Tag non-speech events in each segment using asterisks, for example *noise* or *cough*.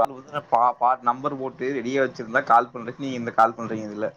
வந்து பா பா நம்பர் போட்டு ரெடியா வச்சிருந்தா கால் பண்றக்கு நீங்க இந்த கால் பண்றீங்க இதுல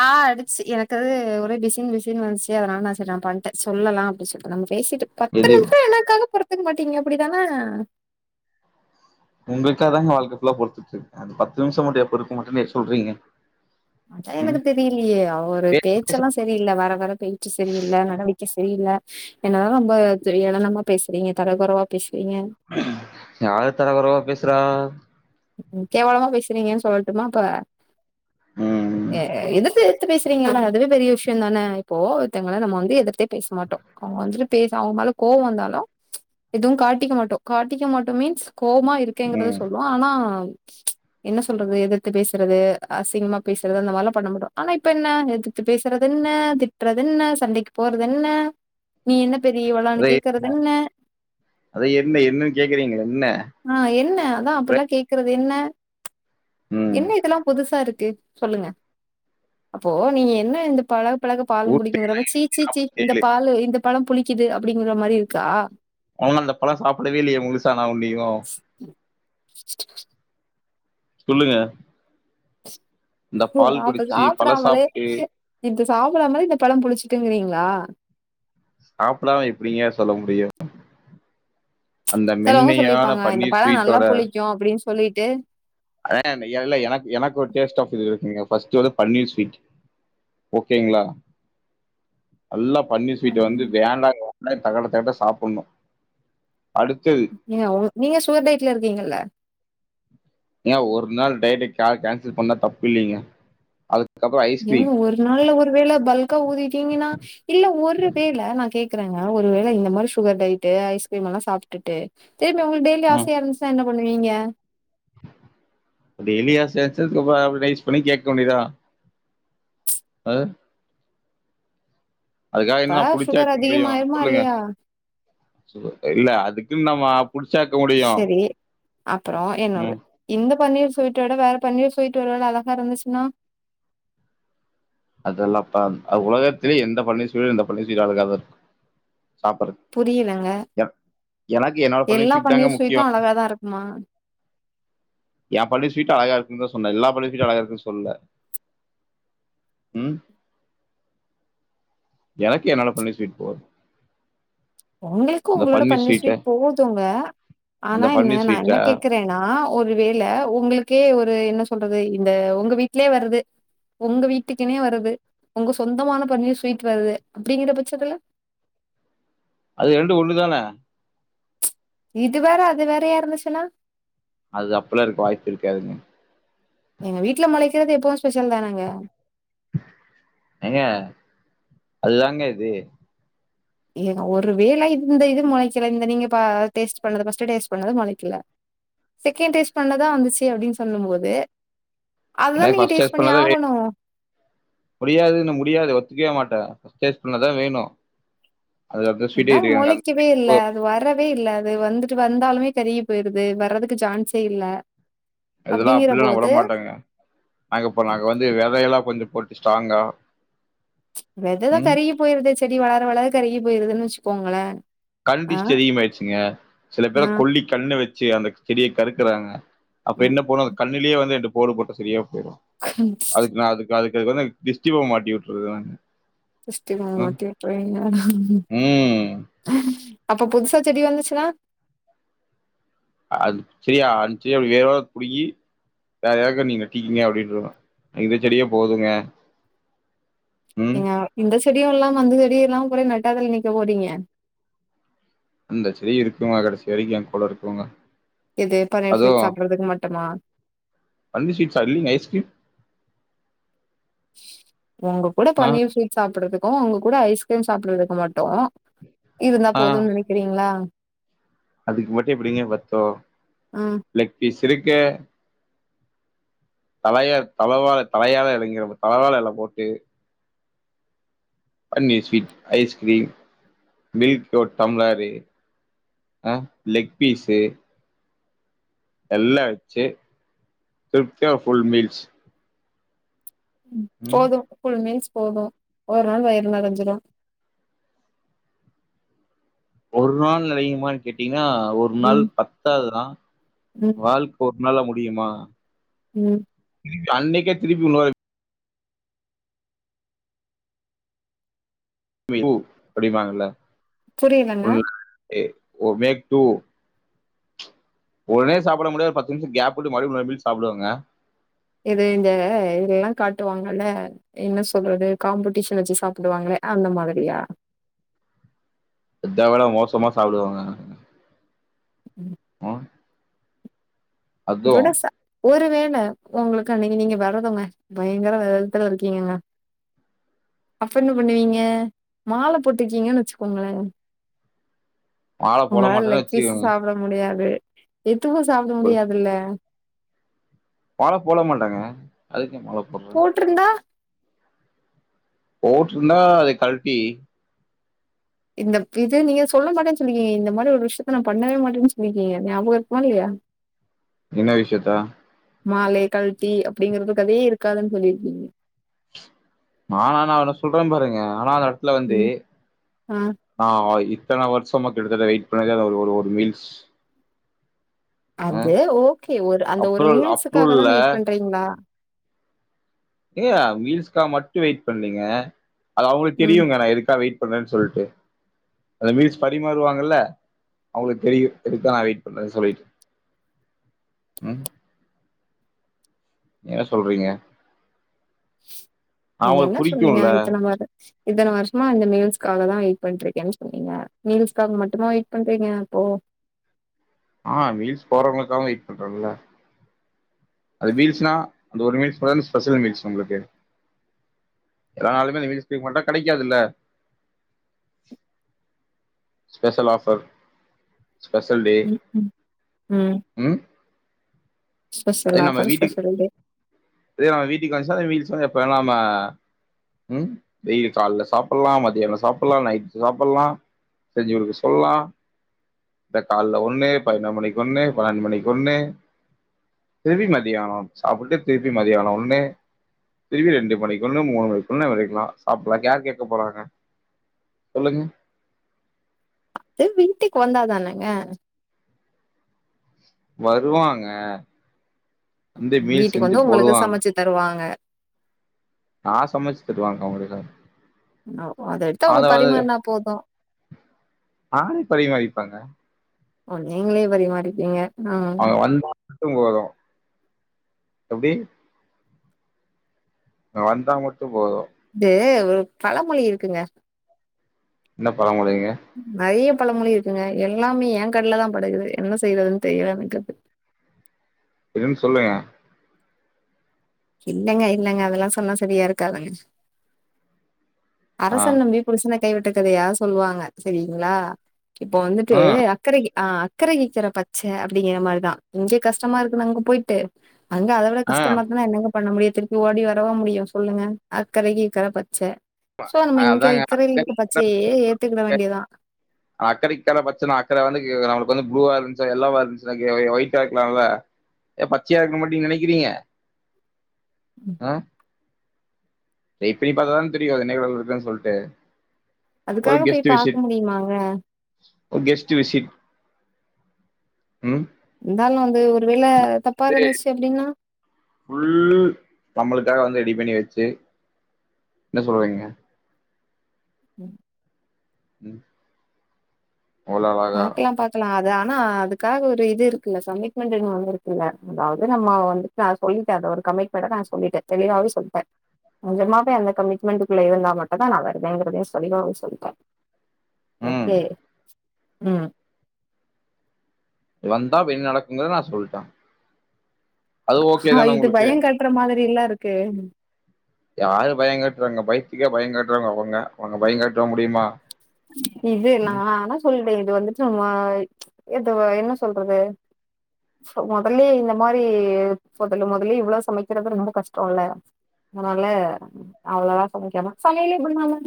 ஆ அடிச்சு எனக்கு ஒரே பிசின் பிசின்னு வந்துச்சு அதனால நான் சரி நா பண்ட்டே சொல்லலா அப்படி சொல்லிடு நம்ம பேசிட்டு பத்து எது நிமிஷ என்னக்காக பொறுத்துக்க மாட்டீங்க அப்படிதானே உங்களுக்காக தாங்க வாழ்க்க ஃபுல்லா பொற்த்துட்டு இருக்கே அந்த பத்து நிமிச மட்டு எப்ப இருக்க மாட்டேனு சொல்றீங்க அதா ம் எனக்கு தெரி லயே ஒரு பேச்சல்லா சரியில்ல வர வர பேச்சு சரியில்ல நடவடிக்கை சரியில்ல என்னதா ரொம்ப ஏளனமா பேசுறீங்க தரைகுறவா பேசுறீங்க யார தரகொறவா பேசுறா கேவலமா பேசுறீங்கன்னு சொல்லட்டுமா அப்ப ம் எதுக்கு தித்து பேசுறீங்கள அதுவே பெரிய விஷயம் தானே இப்போ ஒருத்தவங்கல நம்ம வந்து எதுத்தே பேச மாட்டோ அவுங்க வந்துட்டு பேச அவங்க மேல கோவ வந்தாலு எதுவு காட்டிக்க மாட்டோ காட்டிக்க மாட்டோ மீன்ஸ் கோவமா இரு க்கேங்கறத ம் சொல்லுவோ ஆனா என்ன சொல்றது எதிர்த்து பேசுறது அசிங்கமா பேசுறது அந்த மாதிரிலா பண்ண மாட்டோ ஆனா இப்ப என்ன எதிர் த்து பேசுறது என்ன திட்டுறது என்ன சண்டைக்கு போறது என்ன நீ என்ன பெரிய இவளான்னு அத கேக்குறது என்ன அத என்ன என்னன்னு கேக்குறீங்கள என்ன ஆ என்ன அதா அப்படில்லா கேக்குறது என்ன ம் என்ன இதெல்லாம் புதுசா இருக்கு சொல்லுங்க அப்போ நீங்க என்ன இந்த பழக பழக பாலு ஊட்டி புலிக்குங்கிற சீ சீ சீ இந்த நாப்பத்தேழு பாலு இந்த பழம் புளிக்குது அப்படிங்கிற மாரி இருக்கா நா ஒன்னு அந்த பழம் சாப்பிடவே இல்லையே முழுசா நா ஆகுலயு சொல்லுங்க இந்த பால் அப்ப குடிச்சு பழ சாப்பிடாமலே சாப்ட்டு இப்ப சாப்பிடாமயே இந்த பழம் புளிச்சுட்டுங்கிறீங்களா சாப்டாம எப்படிங்க சொல்ல முடியு அந்த மென்மையான பன்னீர் ஸ்வீட்டோட யோ அப்படின்னு சொல்லிட்டு அதா அந்த எலைல எனக்கு எனக்கு ஒரு டேஸ்ட் ஆஃப் யூ இருக்குங்க ஃபஸ்ட் வந்து பன்னீர் ஸ்வீட் ஓகேங்களா நல்லா பன்னிர் ஸ்வீட்ட வந்து வேண்டா *inaudible* னே தகட தெகட்ட சாப்புன்னு அடுத்தது நீ அவரு நீங்க சுவர் டையட்ல இருக்கீங்கல்ல ஏ ஒரு நாள் டைட்ட கா கேன்சல் பண்ணா தப்பு இல்லேங்க அது ஏங்க ஒரு நாள்ல ஒரு வேள பல்க்கா ஊதிட்டீங்ன்னா இல்ல ஒரு வேள நா கேக்குறேங்க ஒரு வேள இந்த மாரி சுகர் டயட்டு ஐஸ்கிரீம்லா சாப்டுட்டு தேம்பியு உங்கள்க் டெய்லி ஆசையா இருந்துச்சின்னா என்ன பண்ணுவீங்க டெய்லி ஆசையா *inaudible* சும்மா நைஸ் பண்ணி கேக்கவேண்டிதா அ அதுக்காக அப்ப என்ன புடிச்சா சுகர் வெக்க முடியும் அதிகமாயிருமா சொல்லுங்க இல்லையா சொ இல்ல அதுக்குன்னு நம்மப் புடிச்சா வக்க முடியும் சரி அப்புறோ என்னோடது உம் இந்த பன்னீர் ஸ்வீட் விட வேற பன்னீர் ஸ்வீட்டு ஒருவேள அழகா இருந்துச்சின்னா அதெல்லா பாத் அவ் உலகத்திலேயே எந்த பன்னீர் ஸ்வீட் எந்த பன்னீர் ஸ்வீட் அழகாக தா இருக்கு சாப்றது புரியலங்க என் எனக்கு என்னோட பன்னீர் எல்லா ஸ்வீட்டு தாங்க முக்கியோ அழகாதா இருக்குமா ஏ பன்னீர் ஸ்வீட் அழகா இருக்குன்னு தா சொன்ன எல்லா பன்னீர் ஸ்வீட்டு அழகா இருக்குன்னு சொல்ல உம் எனக்கு என்னோட பன்னீர் ஸ்வீட் போது உங்களுக்கு உங்களோட பன்னீர் ஸ்வீட் போதுங்க அந்த ஆனா என்ன பன்னீர் நா ஸ்வீட்டை என்ன கேக் றேனா ஒரு வேள உங்களுக்கே ஒரு என்ன சொல்றது இந்த உங்க வீட்லயே வருது உங்க வீட்டுக்குனே வருது உங்க சொந்தமான பன்னீர் ஸ்வீட் வருது அப்டிங்கிற பட்சத்ல அது ரெண்டு ஒன்னு தான இது வேற அது வேற யாருந்துச்சின்னா அது அப்பில்லா இருக்க வாய்ப்பு இருக்காதுங்க எங்க வீட்ல முளைக்கிறது எப்போவு ஸ்பெஷல் தானங்க ஏங்க அதுதாங்க இது ஏங்க ஒரு வேள இந்த இது முளக்கல இந்த நீங்க பா டேஸ்ட் பண்ணது பர்ஸ்ட் டேஸ்ட் பண்ணது முளக்கில செகண்ட் டேஸ்ட் பண்ணதா வந்துச்சே அப்டின்னு சொல்லு போதே அதுதா எனக்கு நீங்க ஃபர்ஸ்ட் டேஸ்ட் பண்ணி ஆகணு முடியாது இன்னு முடியாது ஒத்துக்கவே மாட்ட டேஸ்ட் பண்ணதா வேணு அதான் முளைக் க்கவே இல்ல அது வரவே இல்ல அது வந்துட்டு வந்தாலுமே கருகி போயிருது வர்றதுக்கு ஜான்சே இல்ல இதுலா இதெல்லா அப்டிங்கிற அப்பில்லா நா போது உடமாட்டேங்க நாங்க இப்போ நாங்க வந்து விதையெல்லா கொஞ்சோ போட்டு ஸ்ட்ராங்கா வெததா கருகி போயிருதே செடி வளர வளர கருகி போயிருதுன்னு வச்சுக்கோங்கள கண் திஷ்டி அதிகம் ஆயிச்சிங்க சில பேர ஆ கொல்லி கண்ணு வச்சி அந்த செடிய கறுக்குறாங்க அப்ப என்ன போனு அந்த கண்ணிலேயே வந்து ரெண்டு போடு போட்ட சரியா போயிரு ஆ அதுக் நா அது அதுக்கு அது வந்து திஷ்டி பொம்ம மாட்டி வுட்றதுறாங்க கிஷ்டி பொம்ம மாட்டி விட்ற வேண்டியது தான ம் அப்ப புதுசா செடி வந்துச்சினா அது சரியா அந்த செடிய வேறோட புடுகி வேற யாருக்காவது நீங்க டீயிங்க அப்டின்னுரு இந்த செடியே போதுங்க ம் நீங்க இந்த செடியு இல்லாம அந்த செடிய இல்லாம குற நட்டாத்ல நிக்க போறங்க அந்த செரி இருக்கு கடைசி வரைக்கு ஏ கூட இருக்குங்க எது பன்னீர் ஸ்வீட்ஸ் சாப்றதுக்கு மட்டுமா பன்னீ ஸ்வீட்ஸ் சல்லீங்க ஐஸ்கீரீம் உங்க கூட ஆ பன்னீர் ஸ்வீட்ஸ் சாப்டுறதுக்கு உங்க கூட ஐஸ்கிரீம் சாப்டுறதுக்கு மட்டு இருந்தா ஆ போதும்ன்னு நனைக்கிறீங்களா அதுக்கு மட்டு எப்டிங்க பத்தூ ம் லெக் பீஸ் இருக்க தலைய தவவாழ தலையாழ இளங்கிற தலவாழ எலப் போட்டு பன்னீர் ஸ்வீட் ஐஸ்கிரீம் மில்க் புரோட் டம்ளாரு ஆ லெக் பீஸு எல்லா வெச்சு திருப்தியா ஃபுல் மீல்ஸ் ம் போது ஃபுல் மீல்ஸ் போது ஒரு நாள் வயிறு நெரஞ்சிரு ஒரு நாள் நெரையுமான் கேட்டீங்கனா ஒரு நாள் ம் பத்தாதுதா ம் வாழ்க் ஒரு நாள்ல முடியுமா ம் திருப்பி அன்னைக்கே திருப்பி இன்னொரு வெய் உ அப்டிம்ப்பாங்கல்ல புரியலங்க எ ஒமேக் டூ ஒடனே சாப்புட முடியாது பத்து நிம்ஷ கேப் வுட்டு மறுபடி மறுபடி சாப்புடுவாங்க எது இந்த இங்கெல்லா காட்டுவாங்கல்ல என்ன சொல்றது காம்படீஷன் வெச்சு சாப்புடுவாங்களே அந்த மாதிரியா அத விட மோசமா சாப்புடுவாங்க அதுவும் துடஸா ஒரு வேள உங்களுக்கு அன்னைக்கு நீங்க வெரதங்க பயங்கர வெரதத்துல இருக்கீங்கங்க அப்ப என்ன பண்ணுவீங்க மால போட்ருக்கீங்கன் வெச்சுக்கோங்களே மால போட உங்களால மாட்டேன்னு லெக் பீஸு வச்சுக்கோங்க சாப்ட முடியாது எதுவு சாப்ட ஒரு முடியாதுல்ல மால போட மாட்டங்க அதுக்கு ஏ மால போடுற போட்ருந்தா போட்ருந்தா அதை கழ்ட்டி இந்த இது நீங்க சொல்ல மாட்டேன் சொன்னீங்க இந்த மாரி ஒரு விஷ்யத்த நா பண்ணவே மாட்டேன்னு சொல்லிருக்கீங்க ஞாபக இருக்குமா இல்லயா என்ன விஷ்யத்த மாலைய கழ்ட்டி அப்டிங்கிறது கதையே இருக்காதுன் சொல்லிருக்கீங்க ஆனா நா அவ்ளோ சொல்ற பாருங்க ஆனா அந்த எடத்துல வந்து ம் ஆ ஆமா இத்தன வர்ஷமா கிட்டதட்ட வெயிட் பண்ணிதா ஒரு ஒரு ஒரு மீல்ஸ் அ அது ஓகே ஒரு அந்த ஒரு அப்ரூவல் மீல்ஸுக்காக தா அப்ரூவல்ல வெயிட் பண்றீங்ளா ஏங்க மீல்ஸ்காக மட்டு வெய்ட் பண்லைங்க அது அவுங்ளுக்கு ம் தெரியுங்க நா எதுக்கா வெயிட் பன்றேன் சொல்ட்டு அந்த மீல்ஸ் பரிமாறுவாங்கல்ல அவுங்ளுக்கு தெரியு எதுக்கு நா வெய்ட் பண்றேன் சொல்லி ம் ஏ சொல்றீங்க நீங்க என்ன அவங்களுக்கு சொன்னீங்க புடிக்கும்ல இத்தன வரு இத்தன வர்ஷமா இந்த மீல்ஸ்காக தா வெய்ட் பண்ட்ருக்கேன் சொன்னீங்க மீல்ஸ்காக மட்டுமா வெய்ட் பண்றீங்க அப்போ ஆ மீல்ஸ் போட்றவ்ங்ளுக்காகவு வெய்ட் பண்றன்ல அது மீல்ஸ்னா அந்த ஒரு மீல்ஸ் தானே ஸ்பெஷல் மீல்ஸ் உங்களுக்கு நா அதுல இந்த மீல்ஸ் ஃப்ரீக்வண்ட்டா கெடைக்காதுல்ல ஸ்பெஷல் ஆஃபர் ஸ்பெஷல் டே ம் ம் ம் அதே ஸ்பெஷல் நம்ம ஆஃபர் வீட்டுக் ஸ்பெஷல் டே அதே நம்ம வீட்டுக்கு வந்ச்சுனா அந்த மீல்ஸ் வந்து எப்ப வேனா நம்ம ம் டெய்லி கால்ல சாப்புட்ல்லா மதியான சாப்புட்லா நைட்டு சாப்புட்லா செஞ்சு குடுக்க சொல்லலா த கால்ல ஒன்னு பதினோர் மணிக்கு ஒன்னு பன்னன்டு மணிக்கு ஒன்னு தெரிய மாட்டிக்குது அவன் சாப்பட்றதே தெரிய மாட்டிக்குது அவன் ஒன்னே திரும்பி ரெண்டு மணிக்கு ஒன்னு மூணு மணிக்கு ஒன்னு வைக்கலா சாப்புல்லா யார் கேக்க போறாங்க சொல்லுங்க து வீட்டுக்கு வந்தாதானங்க வருவாங்க வந்து மீல் வீட்டுக்கு செஞ்சு வந்தா உங்களுக்கு போடுவாங்க சமச்சு தருவாங்க நா சமச்சி தருவ அவங்களுக்கு அப்போ அத எடுத்து அவங்க பரிமாறுனா போது நானே பரிமாறிப்பங்க ஓ நீங்ளே பரிமாறிப்பீங்க ஆ அவுங்க வந்தா மட்டும் போதும் எப்டி நா வந்தா மட்டும் போதும் இது ஒரு பழமொழி இருக்குங்க என்ன பழமொழிங்க நிறைய பழமொழி இருக்குங்க எல்லாமே என் கண்ணுல தான் படுகுது என்ன செய்யறதுன்னு தெரியல எனக்கு என்னனு சொல்லுங்க இல்லங்க இல்லங்க அதெல்லாம் சொன்னா சரியா இருக்காதுங்க ஆ அரசன் நம்பி புருசனை கைவிட்ட கதையா சொல்லுவாங்க செரிங்களா இப்போ வந்துட்டு ம் அக்கரைக ஆ அக்கரைகிக்கிற பச்சை அப்டிங்கிற மாதிரிதான் இங்க கஷ்டமா இருக்குது அங்க போய்ட்டு அங்க அவ்ளோ ஆ கஷ்டமா இருக்குன்னா என்னங்க பண்ண முடியும் திரும்பி ஓடி வரவா முடியும் சொல்லுங்க அக்கரைக்கு இக்கரை பச்ச சோ நம்ம இங்க அதாங்க இக்கரை அக்கறை பச்சையே ஏத்துக்கிட வேண்டியதான் அக்கரைக்கு தான பச்சன்னா அக்கரை வந்து நம்மளுக்கு வந்து ப்ளுவா இருன்ச்சா ஏல்லோவா இருந்துச்சு ஒயிட்டா இருக்கலாம்ல்ல ஏ பச்சையா இருக்க மாட்டி நீ நினைக்கிறீங்க ஆ எப்டி பாத்தாலும் தெரியும் என்னிக்கி வருவான் சொல்ட்டு அதுக்காக போய் பார்க்க முடியுமாங்க கெஸ்ட்டு விசிட் ம் இருந்தாலும் வந்து ஒருவேள தப்பா இது இருந்துச்சு அப்டின்னா ஃபுல் நம்மளுக்காக வந்து ரெடி பண்ணி வச்சு என்ன சொல்லுரீங்க ம் ம் அவ்ளோ அழகா பாக்கலாம் பாக் கலாம் அது ஆனா அதுக்காக ஒரு இது இருக்குல்ல கமிட்மெண்ட்ன்னு ஒன்னு இருக்குல்ல அதாவது நம்ம வந்து நான் சொல்லிட்டேன் அது ஒரு கமிட்மெண்ட நான் சொல்லிட்டேன் தெளிவாவே சொல்லிட்டேன் கொஞ்சமாவே அந்த கமிட்மெண்ட்டுக்குள்ளே இருந்தா மட்டும் தான் நான் வருவேங்கிறதையும் சொல்லி அவங்க சொல்லிட்டேன் ம் ஓகே ம் வந்தா என்ன நடக்குங்கத நான் சொல்ட ஆ இது உங்களுக்கு பயம் காட்டுற மாதிரி எல்லே இருக்கு யாரு பயம் கட்டுறாங்க பயத்துக்கே பயம் கட்டுறவாங்க அவங்க அவங்க பயம் காட்டவா முடியுமா இது ம் நானா சொல்லிட்டேன் இது வந்துட்டு நம்ம எதுவ என்ன சொல்றது சோ முதலே இந்த மாதிரி முதல்ல முதலே இவ்ளோ சமைக்கிறது ரொம்ப கஷ்டம் இல்ல அதனால அவ்ளவா சமைக்காம சமையலே பண்ணாம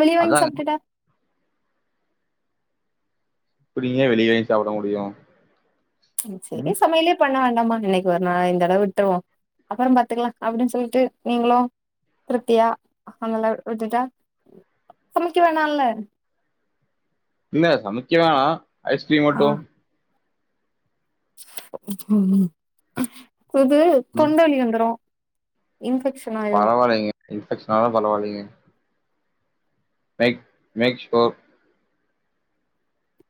வெளிய வாங்கி அதாங்க சாப்டுட்டா எப்டிங்க வெளிய வாங்கி சாப்ட முடியு ம் செரி சமையலே பண்ண வேண்டாம்மா இன்னக்கி ஒரு நாள் இந்தடவை விட்ருவோ அப்பறோ பாத்துக்கலா அப்டின்னு சொல்லிட்டு நீங்களு திருப்தியா அவுங்கள விட்டுட்டா சமைக்க வேணால்ல இல்ல சமைக்க வேணா ஐஸ் க்ரீம் ஆ மட்டு இது ம் தொண்ட வலி வந்துரு இன்ஃபெக்ஷன் ஆய் பரவாயில்லைங்க இன்பெக்ஷன் ஆனாலு பரவாயில்லைங்க மேக் மேக் ஷ்யூர்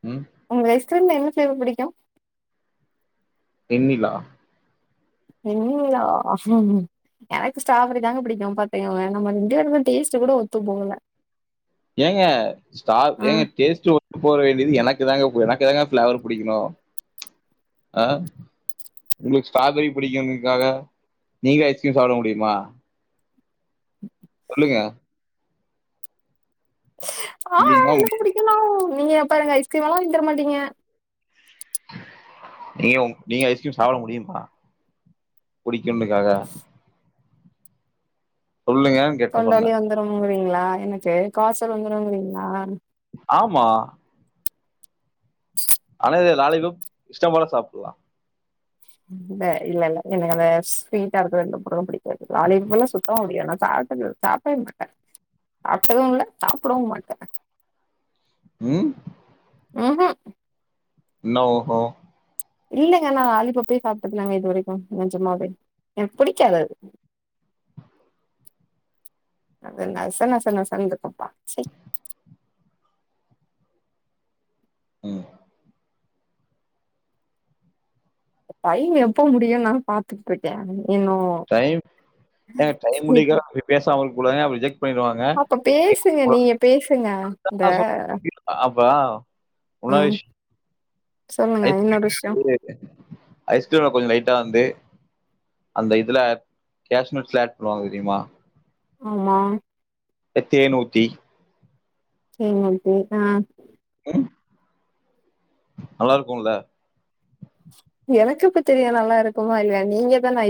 ம் உங்களுக்கு ஐஸ்க்ரீம் ல என்ன ஃப்ளேவர் பிடிக்கு வெண்ணிலா வெண்ணிலாவா எனக்கு ஸ்ட்ராபெரி தாங்க பிடிக்கும் பாத்தீங்களா நம்ம ரெண்டு பேருக்கு டேஸ்ட் கூட ஒத்து போகல ஏங்க ஸ்டா ஏங்க ம் டேஸ்ட் ஒத்து போக வேண்டியது எனக்கு தாங்க எனக்கு தாங்க பிளேவர் பிடிக்கணு ஆ உங்களுக்கு ஸ்ட்ராபெரி பிடிக்குங்கிறதுக்காக நீங்க ஐஸ்கிரீம் சாப்ட முடியுமா சொல்லுங்க ஆ முடியுமா எனக்கு முடியா பிடிக்குன்னா நீங்க பாருங்க ஐஸ்கிரீமல்லா வாங்கிதர மாட்டீங்க நீங்க உ நீங்க ஐஸ்கிரீம் சாப்ட முடியுமா புடிக்குன்னுக்காக சொல்லுங்க தொண்ட வலி வந்துருங்கிறீங்களா எனக்கு காச்சல் வந்துருங்கிறீங்களா ஆமா அது லாலிபாப் இஷ்டம் போல சாப்ட்லா ம் இல்ல இல்ல இல்ல எனக்கு அந்த ஸ்வீட்டா இருக்க ரெண்டு பொருளு பிடிக்காது லாலிபாப்ல்லா சுத்தமா பிடிக்காது நா சாப்டது சாப் சாப்ட்டது இல்ல சாப்டவு மாட்டே ம் ம் ஹூ என்ன உ ஹூ இல்லங்க நா லாலிபாப்பே சாப்ட்டதில்லங்க இது வரைக்கு நெஞமாவே எனக்கு பிடிக்காது அது அது நசனசனன்னு இருக்கும்ப்பா சி ம் டைம் எப்ப முடியுன்னு நா பாத்துட்டு இருக்கே நீ என்னவோ டைம் ஏங்க டைம் முடியிறகாக அப்டி பேசாம இருக்க கூடாதுங்க அப்பறோ ரிஜெக்ட் பண்ணிருவாங்க அப்ப பேசுங்க ஒரு நீங்க பேசுங்க இந்த அண்ணா சொல் அப்ப இன்னொரு ம் விஷயம் சொல்லுங்க இன்னொரு விஷயோ ஐஸ்கிரீம் ஐஸ்கிரீம்ல கொஞ்சோ லைட்டா வந்து அந்த இதுல கேஷ்சு நட்ஸ்ல்லா ஆட் பண்ணுவாங்க தெரியுமா ஆமா இந்த தேன் ஊத்தி தேன் ஊத்தி தான் உம் நல்லா இருக்குல்ல எனக்கு எப்ப தெரிய நல்லா இருக்குமா இல்லையா நீங்க தான ஐ